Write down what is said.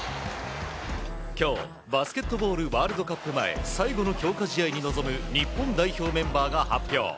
今日、バスケットボールワールドカップ前最後の強化試合に臨む日本代表メンバーが発表。